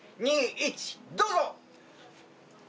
１どうぞ！